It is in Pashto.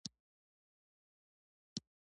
آیا د پلار رضا د خدای رضا نه ده؟